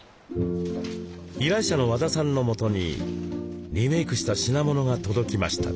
依頼者の和田さんのもとにリメイクした品物が届きました。